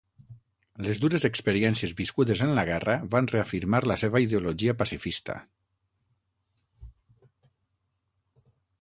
Les dures experiències viscudes en la guerra van reafirmar la seva ideologia pacifista.